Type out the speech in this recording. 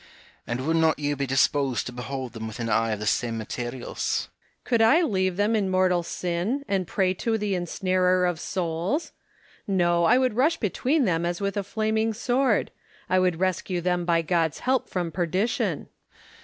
HwfM. And would not you be disposed to behold them with an eye of the same materials ? Hom,e. Could I leave them in mortal sin, and pray to the ensnarer of souls ? No, I would rush between them as with a flaming sword ; I would rescue them by God's help from perdition.